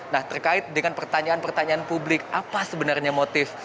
nah terkait dengan pertanyaan pertanyaan publik apa sebenarnya motif